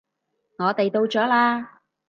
我哋到咗喇